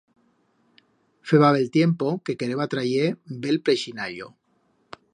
Feba tiempo que quereba trayer bel preixinallo.